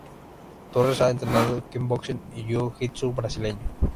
Torres ha entrenado Kickboxing y Jiu-Jitsu Brasileño.